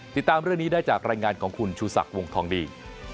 ติดตามเรื่องนี้ได้จากรายงานของคุณชูศักดิ์วงทองดี